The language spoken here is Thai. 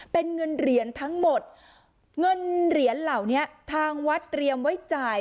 เป็นเงินเหรียญทั้งหมดเงินเหรียญเหล่านี้ทางวัดเตรียมไว้จ่าย